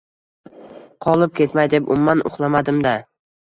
Qolib ketmay deb umuman uxlamadim-da